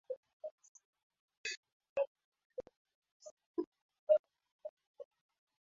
viongozi ishirini na saba kukota umoja wakujihami wa nchi za magharibi nato